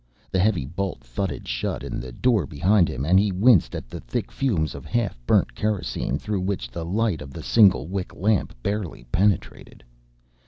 The heavy bolt thudded shut in the door behind him and he winced at the thick fumes of half burnt kerosene through which the light of the single wick lamp barely penetrated.